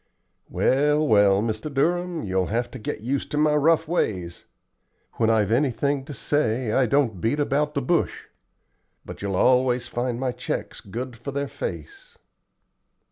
"Well, well, Mr. Durham, you'll have to get used to my rough ways. When I've anything to say, I don't beat about the bush. But you'll always find my checks good for their face."